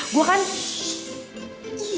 gue kan shhh